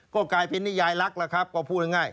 ก็กลายเป็นนิยายลักษณ์แล้วครับก็พูดง่าย